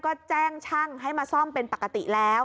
ก็แจ้งช่างให้มาซ่อมเป็นปกติแล้ว